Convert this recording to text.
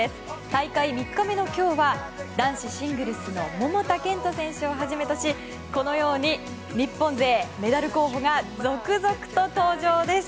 大会３日目の今日は男子シングルスの桃田賢斗選手をはじめとしこのように日本勢メダル候補が続々と登場です。